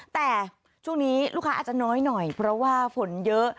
แต่ช่วงนี้ลูกค้าอาจจะน้อยหน่อยเพราะว่าฝนเยอะ